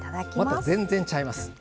また全然ちゃいます。